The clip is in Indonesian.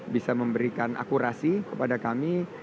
bisa memberikan akurasi kepada kami